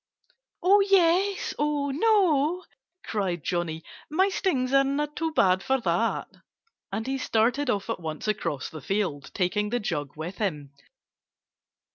"Oh, yes! Oh, no!" cried Johnnie. "My stings aren't too bad for that!" And he started off at once across the field, taking the jug with him.